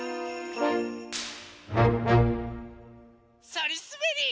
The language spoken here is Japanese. そりすべり。